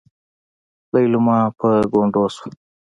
ليلما په ګونډو شوه.